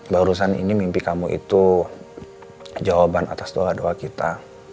barusan ini mimpi kamu itu jawaban atas doa doa kita